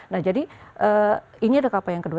nah jadi ini adalah kp yang kedua